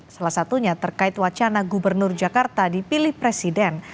salah satunya terkait wacana gubernur jakarta dipilih presiden